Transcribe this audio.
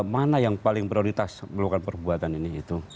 mana yang paling prioritas melakukan perbuatan ini itu